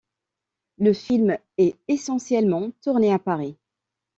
Le film est essentiellement tourné à Paris.